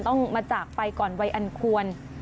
ต้องมาจากไปก่อนวัยอันควร